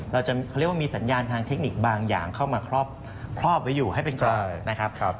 เราจะคือเขาเรียกว่ามีสัญญาณทางเทคนิคบางอย่างเข้ามาครอบไว้อยู่ให้เป็นกรอบ